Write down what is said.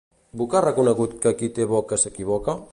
Buch ha reconegut que qui té boca s'equivoca?